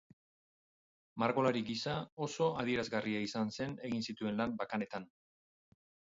Margolari gisa oso adierazgarria izan zen egin zituen lan bakanetan.